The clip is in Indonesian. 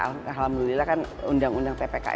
alhamdulillah kan undang undang tpks sudah disahkan